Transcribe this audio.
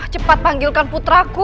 cepat panggilkan putraku